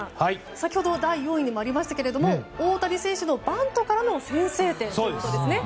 先ほど第４位にもありましたが大谷選手のバントからの先制点ということですね。